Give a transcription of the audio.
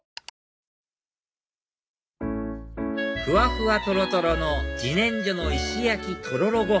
ふわふわとろとろの自然薯の石焼きとろろ